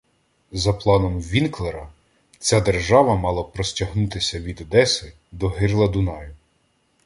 За планом Вінклера, ця держава мала простягатися від Одеси до гирла Дунаю.